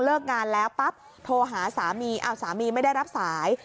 เลิกงานแล้วปั๊บโทรหาสามีสามีไม่ได้รับสาย